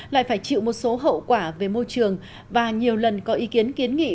lại phải chịu một số hậu quả về môi trường và nhiều lần có ý kiến kiến nghị